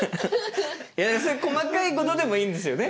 そういう細かいことでもいいんですよね。